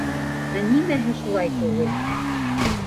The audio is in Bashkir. Ә нимәһе шулай түгел?